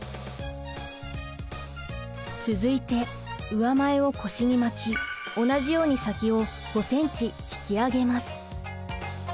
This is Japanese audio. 続いて上前を腰に巻き同じように先を５ｃｍ引き上げます。